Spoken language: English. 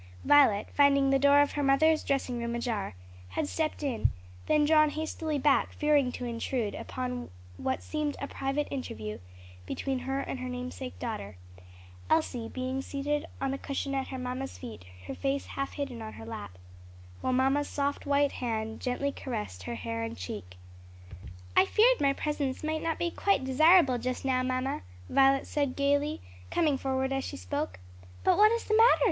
Violet, finding the door of her mother's dressing room ajar, had stepped in, then drawn hastily back, fearing to intrude upon what seemed a private interview between her and her namesake daughter; Elsie being seated on a cushion at her mamma's feet, her face half hidden on her lap, while mamma's soft white hand gently caressed her hair and cheek. "I feared my presence might not be quite desirable just now, mamma," Violet said gayly, coming forward as she spoke. "But what is the matter?"